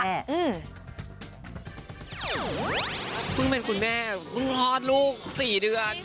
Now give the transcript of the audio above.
เพิ่งเป็นคุณแม่เพิ่งคลอดลูก๔เดือน